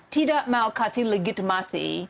tidak mau kasih legitimasi